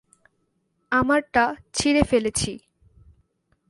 আমারটা আমি ছিঁড়ে ফেলেছি।